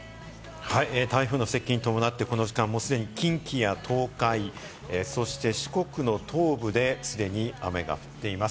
台風の接近に伴って、この時間、すでに近畿や東海、そして四国の東部で既に雨が降っています。